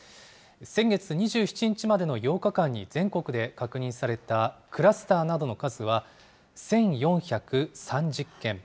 先月２７日までの８日間に全国で確認されたクラスターなどの数は、１４３０件。